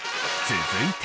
続いて。